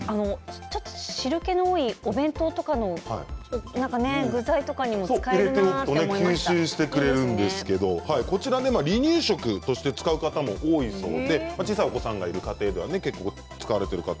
ちょっと汁けの多いお弁当とかの具材とかにも使えるな吸収してくれるんですけどこちら離乳食として使う方も多いそうで、小さいお子さんがいる家庭では結構使われているかと。